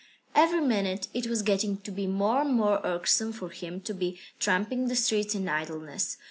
Every minute it was getting to be more and more irksome for him to be tramping the streets in idleness.